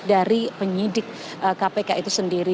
dari penyidik kpk itu sendiri